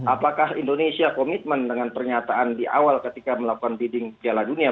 apakah indonesia komitmen dengan pernyataan di awal ketika melakukan bidding piala dunia